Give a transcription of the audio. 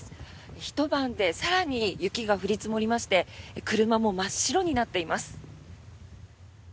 ひと晩で更に雪が降り積もりまして車も真っ白になっています。